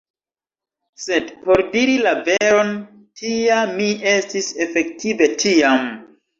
Sed, por diri la veron, tia mi estis efektive tiam!